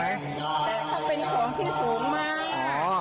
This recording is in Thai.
แต่ถ้าเป็นของที่สูงมาก